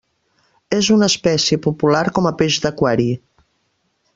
És una espècie popular com a peix d'aquari.